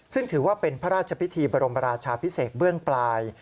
ซึ่งถือว่าเป็นพระราชพิธีบรมราชาพิเศษเบื้องปลาย